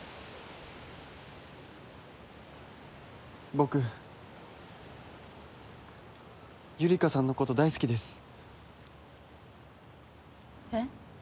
僕ゆりかさんのこと大好きですえっ？